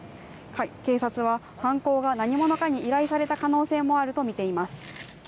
警察は、犯行が何者かに依頼された可能性もあると見ています。